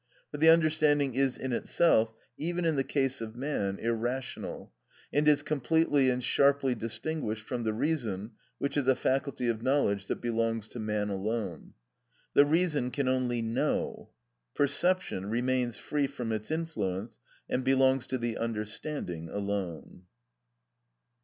For the understanding is in itself, even in the case of man, irrational, and is completely and sharply distinguished from the reason, which is a faculty of knowledge that belongs to man alone. The reason can only know; perception remains free from its influence and belongs to the understanding alone.